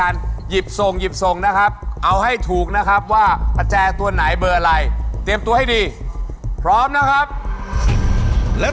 เริ่มแรกก็หยิบผิดเบอร์แล้ว